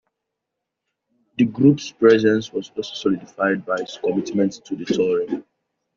The group's presence was also solidified by its commitment to touring.